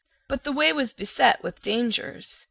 But the way was beset with dangers.